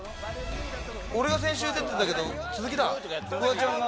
俺、先週出てたけど続きだ。